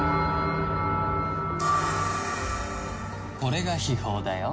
これが秘宝だよ。